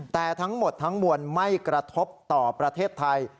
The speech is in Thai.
แต่ทั้งหมดทั้งมวลไม่กระทบต่อประเทศไทย